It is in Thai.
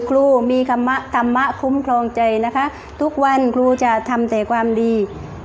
ครูมีธรรมะธรรมะคุ้มครองใจนะคะทุกวันครูจะทำแต่ความดี